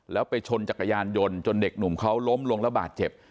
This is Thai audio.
แล้วไปชนจักรยานยนต์จนเด็กหนุ่มเขาล้มลงแล้วบาดเจ็บ